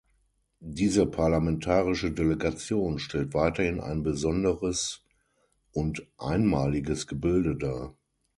Diese parlamentarische Delegation stellt weiterhin ein besonderes und einmaliges Gebilde dar.